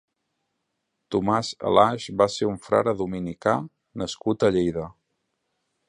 Tomàs Alaix va ser un «Frare dominicà» nascut a Lleida.